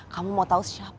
kamu mau tahu siapa